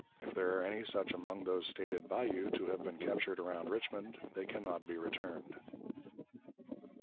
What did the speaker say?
If there are any such among those stated by you to have been captured around Richmond, they can not be returned."